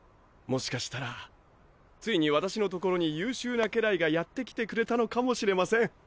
もしかしたら遂に私の所に優秀な家来がやって来てくれたのかもしれません。